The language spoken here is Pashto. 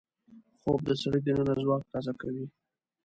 خوب د سړي دننه ځواک تازه کوي